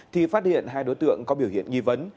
thì phát hiện hai đối tượng có biểu hiện nghi vấn